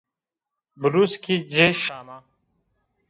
Biluskî ci şana